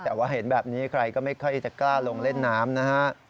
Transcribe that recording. แต่ว่าเห็นแบบนี้ใครก็ไม่ค่อยจะกล้าลงเล่นน้ำนะฮะ